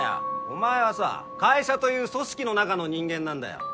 お前はさ会社という組織の中の人間なんだよ。